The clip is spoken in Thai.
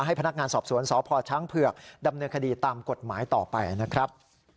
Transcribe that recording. พนักงานสอบสวนสพช้างเผือกดำเนินคดีตามกฎหมายต่อไปนะครับ